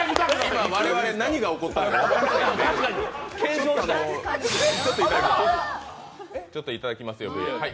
今、我々、何が起こったのか分からないので検証したい。